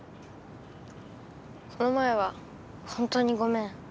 この前はほんとにごめん。